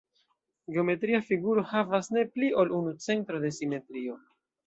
Geometria figuro havas ne pli ol unu centro de simetrio.